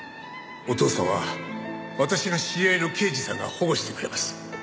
お父さんは私の知り合いの刑事さんが保護してくれます。